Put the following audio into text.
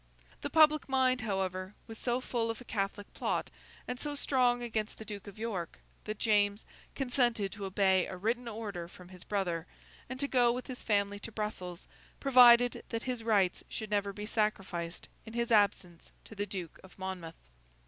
The public mind, however, was so full of a Catholic plot, and so strong against the Duke of York, that James consented to obey a written order from his brother, and to go with his family to Brussels, provided that his rights should never be sacrificed in his absence to the Duke of Monmouth.